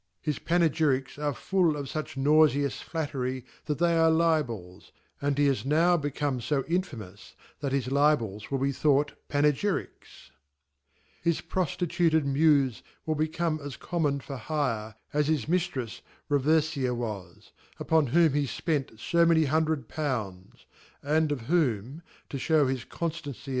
His Panegy ricks are full cfjucb naufeous flattery, that they are Libels ; and he js now lecomefo infamous , that his Libets mil bt thought Pa oegyrides, His frqflitutcd ' Mufe will become as common for hire; as bis Miflrefi Reyefia was » upon whom kefpektfo many hundred founds^ and of whom (to (hew his confiancv.